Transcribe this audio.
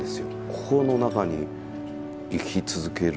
心の中に生き続ける。